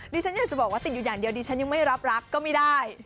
ฉันอยากจะบอกว่าติดอยู่อย่างเดียวดิฉันยังไม่รับรักก็ไม่ได้